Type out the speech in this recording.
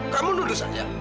kamu nuduh saja